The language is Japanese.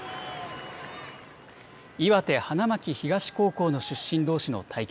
岩手、花巻東高校の出身どうしの対決。